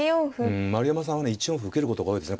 うん丸山さんはね１四歩受けることが多いですね。